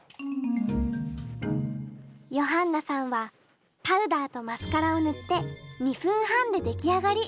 ヨハンナさんはパウダーとマスカラを塗って２分半で出来上がり。